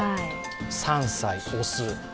３歳、雄。